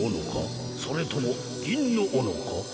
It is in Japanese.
それともぎんのおのか？